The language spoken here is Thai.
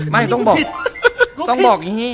ไม่ต้องบอกต้องบอกอย่างนี้